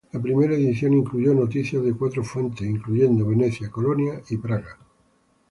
La primera edición incluyó noticias de cuatro fuentes, incluyendo Venecia, Colonia y Praga.